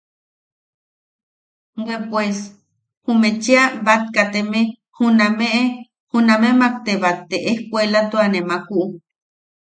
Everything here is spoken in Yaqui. Bwe pues ume cheʼa bat kateme juname junamemak te bat te escuelatuane makku.